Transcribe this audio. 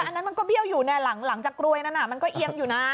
อันนั้นมันก็เบี้ยวอยู่เนี่ยหลังจากกรวยนั้นมันก็เอียงอยู่นะ